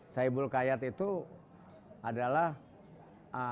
sohibul hikayat itu adalah poklor yang ditanggap orang betawi